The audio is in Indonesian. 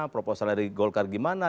proposal dari golkar gimana